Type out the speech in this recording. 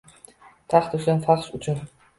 Taxt uchun, fahsh uchun